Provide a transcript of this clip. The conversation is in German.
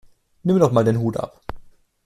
Nimm doch mal den Hut ab!